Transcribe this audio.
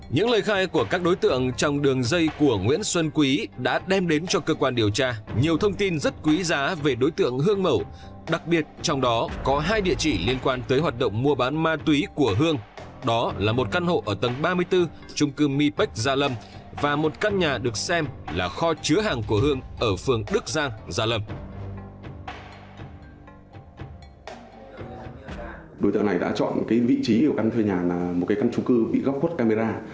những lời khai của các đối tượng trong đường dây của nguyễn xuân quý đã đem đến cho cơ quan điều tra nhiều thông tin rất quý giá về đối tượng hương mầu đặc biệt trong đó có hai địa chỉ liên quan tới hoạt động mua bán ma túy của hương đó là một căn hộ ở tầng ba mươi bốn trung cư mi bách gia lâm và một căn nhà được xem là kho chứa hàng của hương ở phương đức giang gia lâm